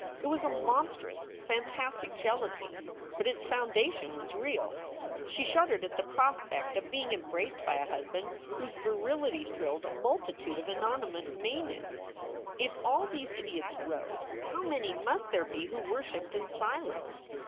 It was a monstrous, fantastic jealousy, but its foundation was real. She shuddered at the prospect of being embraced by a husband whose virility thrilled a multitude of anony mous maenads. If all these idiots wrote, how many must there be who worshiped in silence?